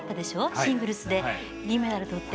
シングルスで銀メダルとって。